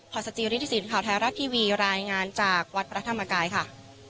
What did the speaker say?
สจิริฐศิลปข่าวไทยรัฐทีวีรายงานจากวัดพระธรรมกายค่ะ